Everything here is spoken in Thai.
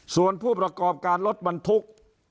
ส่วนผู้ประกอบการลดบันทุกข์